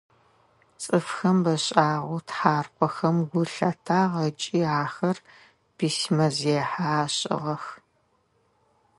Цӏыфхэм бэшӏагъэу тхьаркъохэм гу лъатагъ ыкӏи ахэр письмэзехьэ ашӏыгъэх.